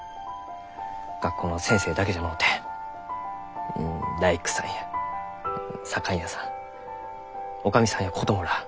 学校の先生だけじゃのうてうん大工さんや左官屋さんおかみさんや子供らあ